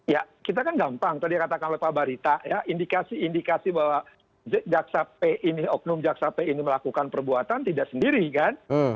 ya kita kan gampang tadi katakan oleh pak barita ya indikasi indikasi bahwa jaksa p ini oknum jaksa p ini melakukan perbuatan tidak sendiri kan